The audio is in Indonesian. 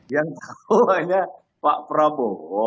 yang tahu hanya pak prabowo